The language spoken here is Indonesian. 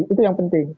itu yang penting